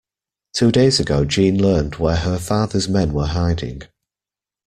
Two days ago Jeanne learned where her father's men were hiding.